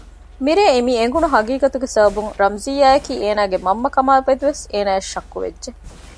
މިރޭ މި އެނގުނު ހަޤީޤަތުގެ ސަބަބުން ރަމްޒިއްޔާއަކީ އޭނާގެ މަންމަ ކަމާމެދުވެސް އޭނާއަށް ޝައްކުވެއްޖެ